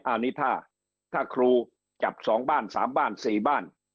อันนี้ถ้าครูจับสองบ้านสามบ้านสองบ้าน